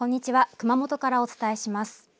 熊本からお伝えします。